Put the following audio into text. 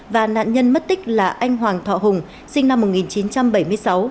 và nạn nhân mất tích là anh hoàng thọ hùng sinh năm một nghìn chín trăm bảy mươi sáu